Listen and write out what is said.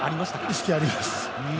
意識あります。